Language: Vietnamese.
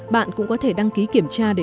bạn cũng có thể đăng ký kiểm tra để mua được